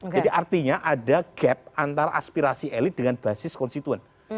jadi artinya ada gap antara aspirasi elit dengan basis konstituen